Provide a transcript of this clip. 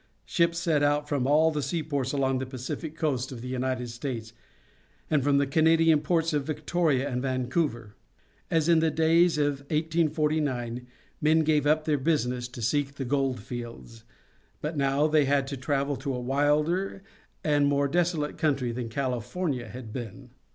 Ships set out from all the seaports along the Pacific coast of the United States, and from the Canadian ports of Victoria and Vancouver. As in the old days of 1849 men gave up their business to seek the gold fields, but now they had to travel to a wilder and more desolate country than California had been.